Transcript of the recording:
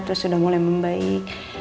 terus udah mulai membaik